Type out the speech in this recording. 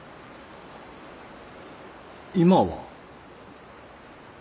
今は。